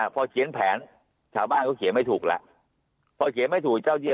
พอเขียนแผนชาวบ้านเขาเขียนไม่ถูกแล้วพอเขียนไม่ถูกเจ้าที่